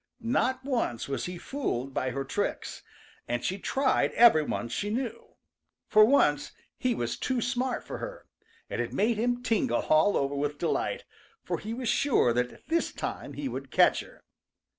Not once was he fooled by her tricks, and she tried every one she knew. For once he was too smart for her, and it made him tingle all over with delight, for he was sure that this time he would catch her.